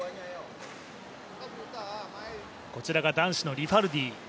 こちらが男子のリファルディ。